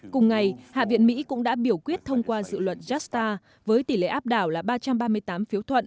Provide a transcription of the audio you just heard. cùng ngày hạ viện mỹ cũng đã biểu quyết thông qua dự luận jetstar với tỷ lệ áp đảo là ba trăm ba mươi tám phiếu thuận